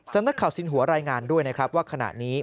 สำนักข่าวสินหัวรายงานด้วยนะครับว่าขณะนี้